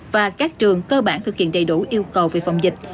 và các trường cơ bản thực hiện đầy đủ yêu cầu về phòng dịch